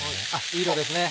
いい色ですね。